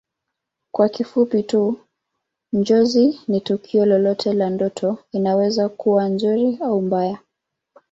Kwa kifupi tu Njozi ni tukio lolote la ndoto inaweza kuwa nzuri au mbaya